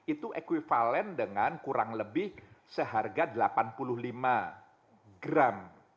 itu ekvivalent dengan kurang lebih seharga delapan puluh lima gram